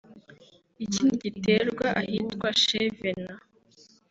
ikindi giterwa ahitwa “Chez Venant”